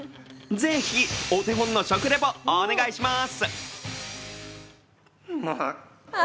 ぜひ、お手本の食レポ、お願いします。